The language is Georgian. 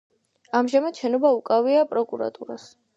ამჟამად შენობა უკავია პროკურატურას.